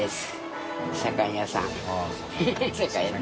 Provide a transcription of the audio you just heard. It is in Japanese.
左官屋さんです